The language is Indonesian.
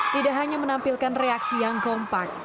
tidak hanya menampilkan reaksi yang kompak